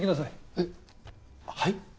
えっはい？